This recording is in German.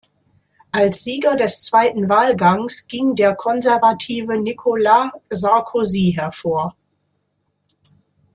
Als Sieger des zweiten Wahlgangs ging der Konservative Nicolas Sarkozy hervor.